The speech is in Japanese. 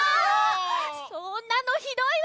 そんなのひどいわ！